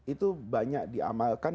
itu banyak diamalkan